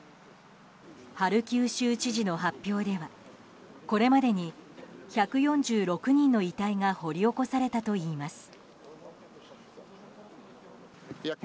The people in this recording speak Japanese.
ハルキウ州知事の発表ではこれまでに１４６人の遺体が掘り起こされたといいます。